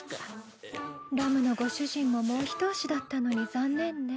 ラムのご主人ももうひと押しだったのに残念ね。